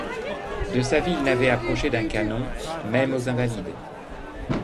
De sa vie, il n’avait approché d’un canon, même aux Invalides.